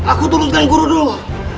aku turunkan guru dulu